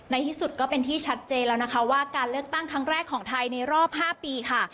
ในที่สุดก็เป็นที่ชัดเจนแล้วนะคะว่าการเลือกตั้งครั้งแรกของไทยในรอบ๕ปีค่ะ